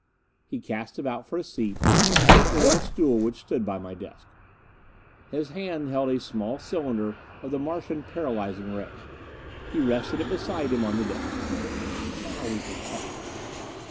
He cast about for a seat, and took the little stool which stood by my desk. His hand held a small cylinder of the Martian paralyzing ray; he rested it beside him on the desk. "Now we can talk."